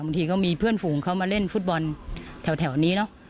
บางทีก็มีเพื่อนฝูงเขามาเล่นฟุตบอลแถวนี้เนอะ